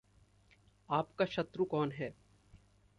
आपका शत्रु कौन है?